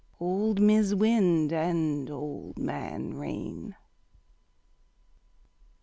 Old Mis' Wind and Old Man Rain.